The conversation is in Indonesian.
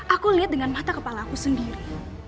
aku lihat dengan mata kepala aku sendiri